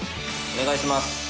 お願いします！